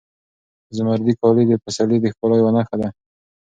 زمردي کالي د پسرلي د ښکلا یوه نښه ده.